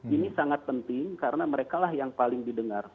ini sangat penting karena mereka lah yang paling didengar